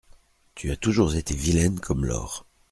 Tu as toujours été vilaine comme l'or.